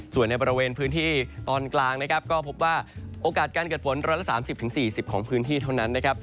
ส่วนในบริเวณพื้นที่ตอนกลางนะครับก็พบว่าโอกาสการเกิดฝน๑๓๐๔๐ของพื้นที่เท่านั้นนะครับ